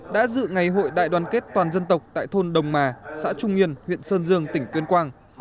đã dự ngày hội đại đoàn kết toàn dân tộc tại thôn đồng mà xã trung yên huyện sơn dương tỉnh tuyên quang